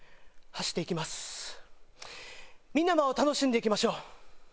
みんなも楽しんでいきましょう。